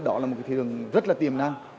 đó là một cái thị trường rất là tiềm năng